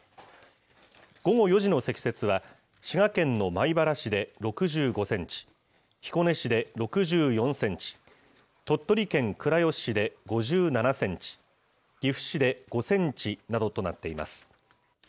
午後４時の積雪は、滋賀県の米原市で６５センチ、彦根市で６４センチ、鳥取県倉吉市で５７センチ、岐阜市で５センチなどとなっています。